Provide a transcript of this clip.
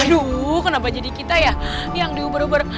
aduh kenapa jadi kita ya yang diuber ubur